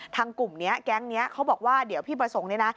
กลุ่มนี้แก๊งนี้เขาบอกว่าเดี๋ยวพี่ประสงค์เนี่ยนะ